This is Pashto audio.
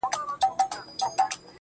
زور د زورور پاچا، ماته پر سجده پرېووت.